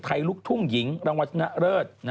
ลูกทุ่งหญิงรางวัลชนะเลิศ